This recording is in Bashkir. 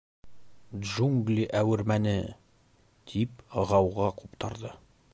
Джунгли әүермәне! — тип ғауға ҡуптарҙы.